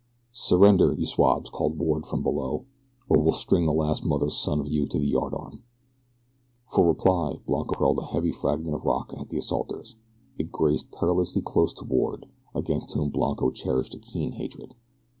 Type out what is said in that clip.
"Surrender! You swabs," called Ward from below, "or we'll string the last mother's son of you to the yardarm." For reply Blanco hurled a heavy fragment of rock at the assaulters. It grazed perilously close to Ward, against whom Blanco cherished a keen hatred.